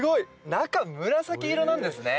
中、紫色なんですね。